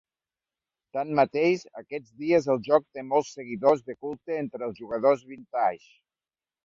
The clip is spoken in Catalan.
Tanmateix, aquests dies el joc té molts seguidors de culte entre els jugadors vintage.